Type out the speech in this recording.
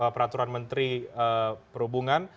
peraturan menteri perhubungan